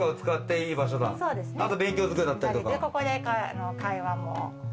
ここで会話も。